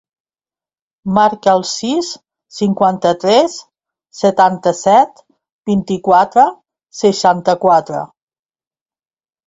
Marca el sis, cinquanta-tres, setanta-set, vint-i-quatre, seixanta-quatre.